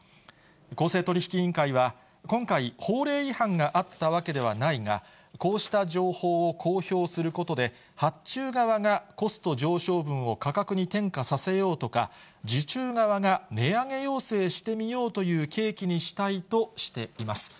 公正取引委員会は、今回、法令違反があったわけではないが、こうした情報を公表することで、発注側がコスト上昇分を価格に転嫁させようとか、受注側が値上げ要請してみようという契機にしたいとしています。